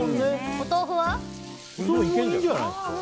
お豆腐もいいんじゃないですか。